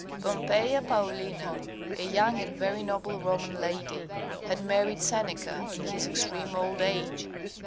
Pompeia Paulina, a young and very noble Roman lady, had married Seneca in his extreme old age.